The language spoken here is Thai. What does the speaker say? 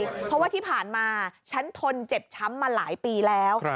เพราะว่าที่ผ่านมาฉันทนเจ็บช้ำมาหลายปีแล้ว